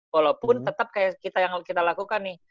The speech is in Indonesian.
walaupun tetap kayak kita yang kita lakukan nih